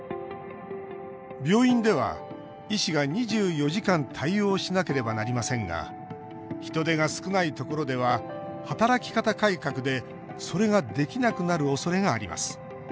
病院では、医師が２４時間対応しなければなりませんが人手が少ないところでは働き方改革で、それができなくなるおそれがあります。